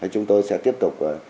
chúng tôi sẽ tiếp tục